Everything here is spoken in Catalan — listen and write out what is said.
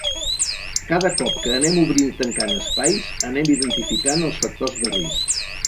Cada cop que anem obrint i tancant espais, anem identificant els factors de risc.